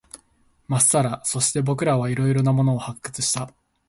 まっさら。そして、僕らは色々なものを発掘した。